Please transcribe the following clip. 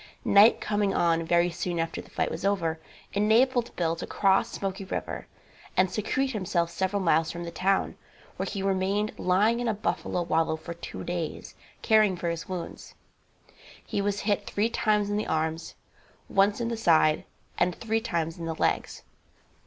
Night coming on very soon after the fight was over, enabled Bill to cross Smoky river and secrete himself several miles from the town, where he remained lying in a buffalo wallow for two days, caring for his wounds. He was hit three times in the arms, once in the side and three times in the legs.